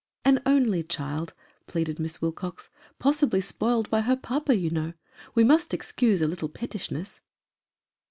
" An only child," pleaded Miss Wilcox ;" possibly spoiled by her papa, you know ; we must excuse a little pettishness."